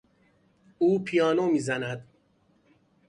او پیانو میزند.